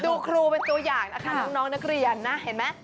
ครูเป็นตัวอย่างนะคะน้องนักเรียนนะเห็นไหม